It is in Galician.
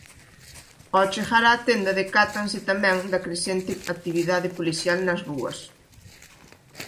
Ó chegar á tenda decátanse tamén da crecente actividade policial nas rúas.